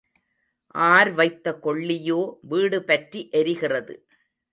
R வைத்த கொள்ளியோ வீடு பற்றி எரிகிறது.